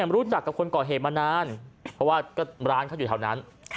รู้จักกับคนก่อเหตุมานานเพราะว่าก็ร้านเขาอยู่แถวนั้น